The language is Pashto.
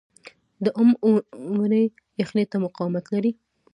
د ام ونې یخنۍ ته مقاومت لري؟